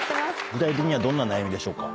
具体的にどんな悩みでしょうか？